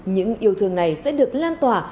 những yêu thương này sẽ được lan tỏa